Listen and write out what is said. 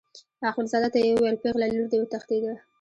اخندزاده ته یې وویل پېغله لور دې وتښتېده.